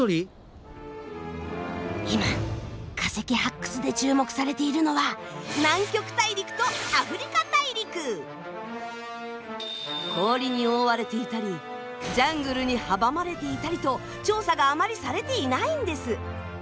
今化石発掘で注目されているのは氷に覆われていたりジャングルに阻まれていたりと調査があまりされていないんです。